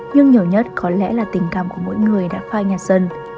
nhưng nhiều nhất có lẽ là tình cảm của mỗi người đã phai nhạt dần